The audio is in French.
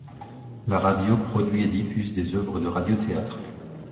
La radio produit et diffuse des œuvres de radio-théâtre.